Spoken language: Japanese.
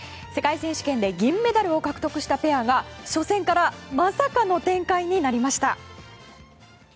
世界選手権で銀メダルを獲得したペアが初戦からまさかの展開になりました。